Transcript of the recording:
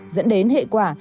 dẫn đến hệ quả